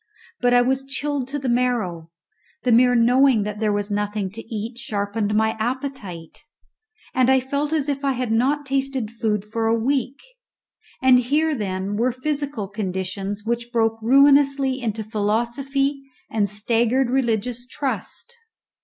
But I was chilled to the marrow; the mere knowing that there was nothing to eat sharpened my appetite, and I felt as if I had not tasted food for a week; and here then were physical conditions which broke ruinously into philosophy and staggered religious trust.